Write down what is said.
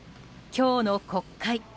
今日の国会。